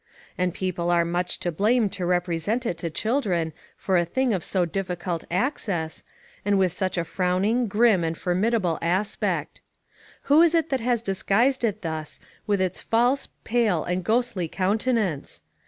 And people are much to blame to represent it to children for a thing of so difficult access, and with such a frowning, grim, and formidable aspect. Who is it that has disguised it thus, with this false, pale, and ghostly countenance?